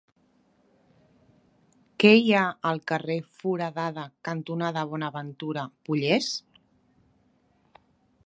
Què hi ha al carrer Foradada cantonada Bonaventura Pollés?